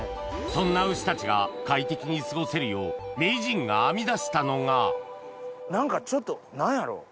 そんな牛たちが快適に過ごせるよう名人が編み出したのが何かちょっと何やろう？